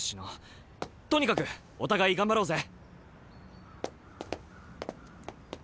とにかくお互い頑張ろうぜ！